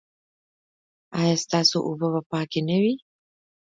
ایا ستاسو اوبه به پاکې نه وي؟